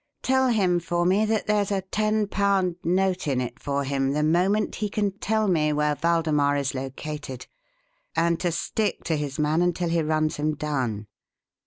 Tell him for me that there's a ten pound note in it for him the moment he can tell me where Waldemar is located; and to stick to his man until he runs him down.